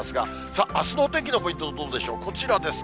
さあ、あすのお天気のポイントはどうでしょう、こちらです。